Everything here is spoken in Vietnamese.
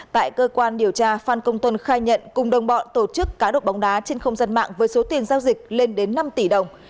tại cơ quan điều tra phan công tuân khai nhận cùng đồng bọn tổ chức cá độ bóng đá trên không gian mạng với số tiền giao dịch lên đến năm tỷ đồng